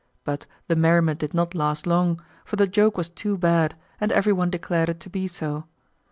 But the merriment did not last long, for the joke was too bad, and everyone declared it to be so.